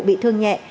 bị thương nhẹ